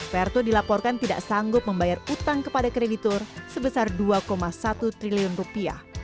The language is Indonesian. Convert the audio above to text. vertu dilaporkan tidak sanggup membayar utang kepada kreditur sebesar dua satu triliun rupiah